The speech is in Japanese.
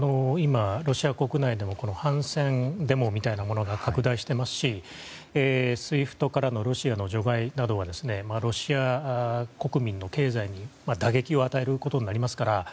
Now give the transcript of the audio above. ロシア国内でも反戦デモみたいなものが拡大していますしＳＷＩＦＴからのロシアの除外などはロシア国民の経済に打撃を与えることになりますから